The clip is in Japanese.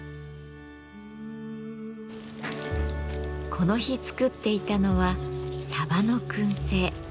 この日作っていたのはサバの燻製。